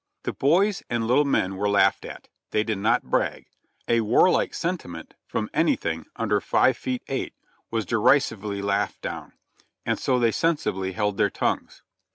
The boys and little men were laughed at, they did not brag; a warlike sentiment from anything under five feet eight was deri sively laughed down, and so they sensibly held their tongties.